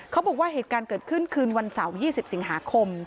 เหตุการณ์เกิดขึ้นคืนวันเสาร์๒๐สิงหาคม